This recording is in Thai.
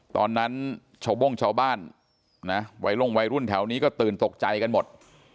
ตอนนั้นชาวโบ้งชาวบ้านนะวัยลงวัยรุ่นแถวนี้ก็ตื่นตกใจกันหมด